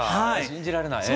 信じられない。